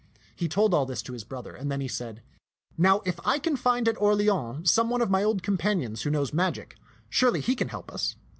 He told all this to his brother, and then he said, Now if I can find at Orleans some one of my old companions who knows magic, surely he can help us.